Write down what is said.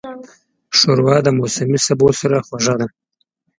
ښوروا د موسمي سبو سره خوږه ده.